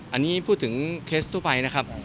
อันนี้พูดถึงเคสทั่วไปนะครับ